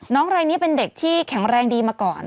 รายนี้เป็นเด็กที่แข็งแรงดีมาก่อน